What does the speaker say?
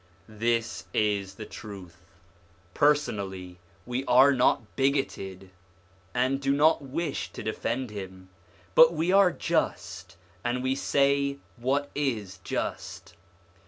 This is the truth : personally, we are not bigoted, and do not wish to defend him, but we are just, and we say what is just.